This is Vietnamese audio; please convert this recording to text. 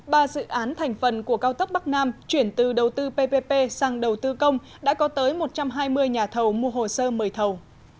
ba dự án thành phần của cao tốc bắc nam chuyển từ đầu tư ppp sang đầu tư công đã có tới một trăm hai mươi nhà thầu mua hồ sơ mời thầu